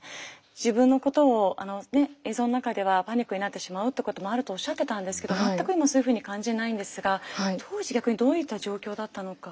自分のことを映像の中ではパニックになってしまうってこともあるとおっしゃってたんですけど全く今そういうふうに感じないんですが当時逆にどういった状況だったのか。